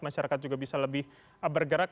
masyarakat juga bisa lebih bergerak